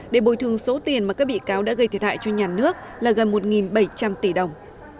để bồi thường số tiền mà các bị cáo đã gây thiệt hại cho nhà nước là gần một bảy trăm linh tỷ đồng